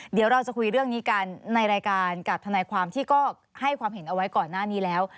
เดี๋ยวเราจะคุยเรื่องนี้กันในรายการกับทนายความที่ก็ให้ความเห็นเอาไว้ก่อนหน้านี้แล้ว